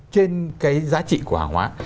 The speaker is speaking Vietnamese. trên cái giá trị của hàng hóa